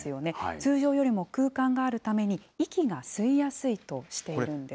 通常よりも空間があるために、息が吸いやすいとしているんです。